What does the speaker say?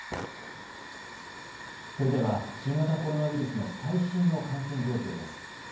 それでは新型コロナウイルスの最新の感染状況です。